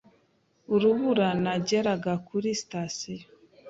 Urubura nageraga kuri sitasiyo.